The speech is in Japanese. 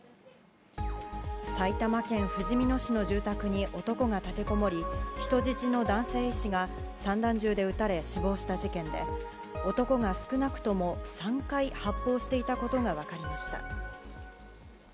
埼玉県ふじみ野市の住宅に男が立てこもり人質の男性医師が散弾銃で撃たれ死亡した事件で男が少なくとも、３回発砲していたことが分かりました。